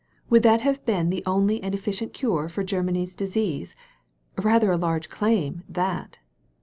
Would that have been the only and efficient cure for Germany's disease? Rather a large claim, that